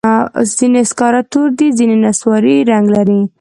ځینې سکاره تور دي، ځینې نسواري رنګ لري.